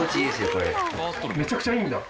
めちゃくちゃいいんだ？